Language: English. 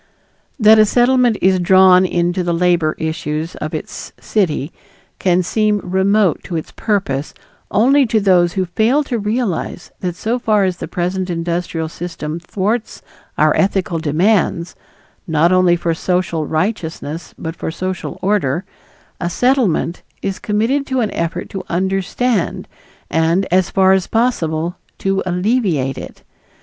That a Settlement is drawn into the labor issues of its city can seem remote to its purpose only to those who fail to realize that so far as the present industrial system thwarts our ethical demands, not only for social righteousness but for social order, a Settlement is committed to an effort to understand and, as far as possible, to alleviate it.